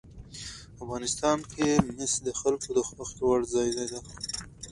افغانستان کې مس د خلکو د خوښې وړ ځای دی.